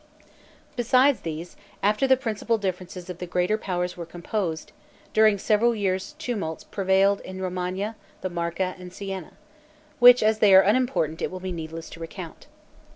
Besides these, after the principal differences of the greater powers were composed, during several years tumults prevailed in Romagna, the Marca, and Sienna, which, as they are unimportant, it will be needless to recount.